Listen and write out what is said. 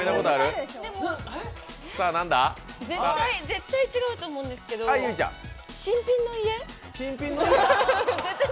絶対違うと思うんですけど、新品の家？